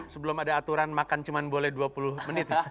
sebelum ada aturan makan cuma boleh dua puluh menit